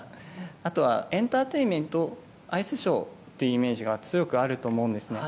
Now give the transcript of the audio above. あとはエンターテインメントアイスショーというイメージが強くあると思うんですね。